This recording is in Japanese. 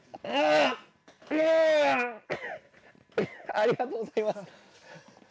ありがとうございます。